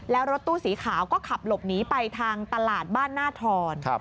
แล้วรถตู้สีขาวก็ขับหลบหนีไปทางตลาดบ้านหน้าทร